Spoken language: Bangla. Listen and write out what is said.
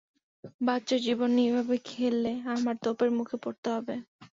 বাচ্চার জীবন নিয়ে এভাবে খেললে আমার তোপের মুখে পড়তে হবে।